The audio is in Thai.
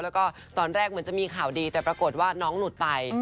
แล้วก็ตอนแรกเหมือนจะมีข่าวดีแต่ปรากฏว่าน้องหลุดไป